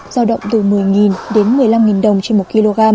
giao động từ một mươi đến một mươi năm đồng trên một kg